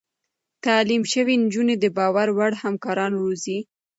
تعليم شوې نجونې د باور وړ همکاران روزي.